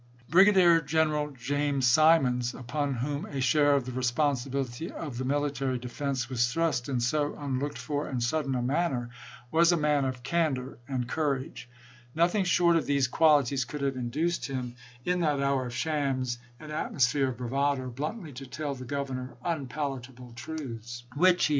Brigadier General James Simons, upon whom a share of the responsibility of the military defense was thrust in so unlooked for and sudden a man ner, was a man of candor and courage. Nothing short of these qualities could have induced him, in that hour of shams and atmosphere of bravado, bluntly to tell the Governor unpalatable truths, 118 ABKAHAM LINCOLN chap.